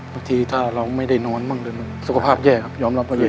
สักทีถ้าเราไม่ได้นอนมั่งด้วยสุขภาพแย่ยอมรับมาเรียน